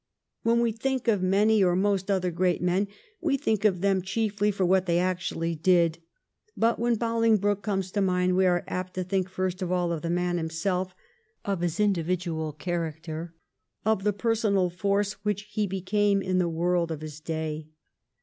When we think of many or most other great men, we think of them chiefly for what they actually did, but when Boling broke comes to mind we are apt to think first of all of the man himself, of his individual character, of the personal force which he became in the world of his day.